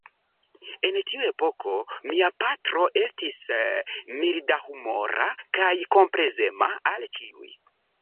En tiu epoko mia patro estis mildahumora kaj komplezema al ĉiuj.